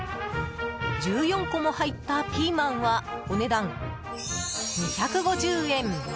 １４個も入ったピーマンはお値段２５０円。